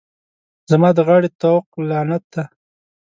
زما د غاړې طوق لعنت دی.